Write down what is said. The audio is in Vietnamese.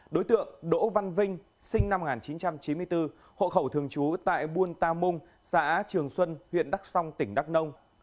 đối tượng đỗ văn vinh sinh năm một nghìn chín trăm chín mươi bốn hộ khẩu thường trú tại buôn ta mung xã trường xuân huyện đắc song tỉnh đắk nông